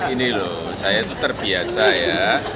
ini loh saya itu terbiasa ya